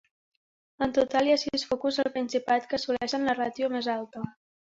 En total hi ha sis focus al Principat que assoleixen la ràtio més alta.